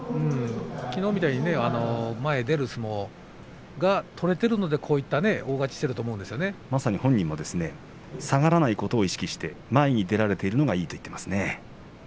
きのうみたいに前に出る相撲が取れているので、こういったまさに本人も下がらないことを意識して前に出られるのがいいと言っています。